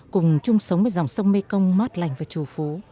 cùng chung sống với dòng sông mekong mát lành và trù phố